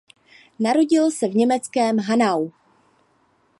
Narodil se v německém Hanau.